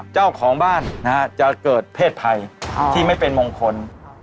เจ้าของบ้านจะเกิดเพศภัยที่ไม่เป็นมงคล